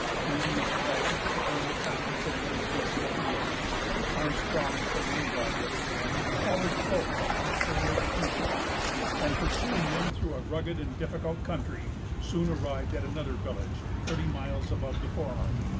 Leaving a detachment to burn the towns and lay waste the fields, Armstrong, with the main body of his men, followed close on the trail of the fugitives; and, pursuing them through a rugged and difficult country, soon arrived at another village, thirty miles above the former.